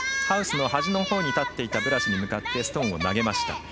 ハウスの端のほうに立っていたブラシに向かってストーンを投げました。